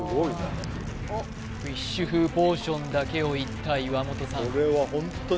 フィッシュ風ポーションだけをいった岩元さん